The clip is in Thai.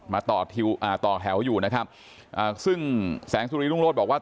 มาต่อคิวอ่าต่อแถวอยู่นะครับซึ่งแสงสุรีรุ่งโรธบอกว่า